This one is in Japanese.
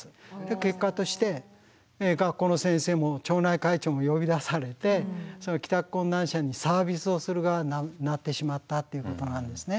結果として学校の先生も町内会長も呼び出されて帰宅困難者にサービスをする側になってしまったっていうことなんですね。